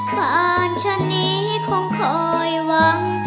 บ้านชั้นนี้คงคอยหวัง